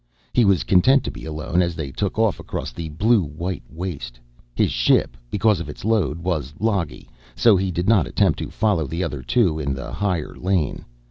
He was content to be alone as they took off across the blue white waste. His ship, because of its load, was loggy, so he did not attempt to follow the other two into the higher lane.